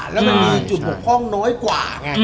แล้วมันมีจุดบกพร่องน้อยกว่าไง